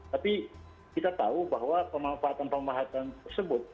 tapi kita tahu bahwa pemanfaatan pemanfaatan tersebut